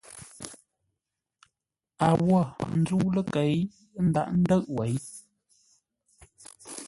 A wô nzə́u ləkei ńdághʼ ńdə̌ʼ wěi.